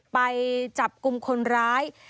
ไปจับกลุ่มคนร้าย